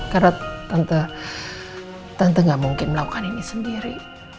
karena tante gak mungkin melakukan ini sendiri